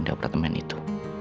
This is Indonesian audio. di apartemen itu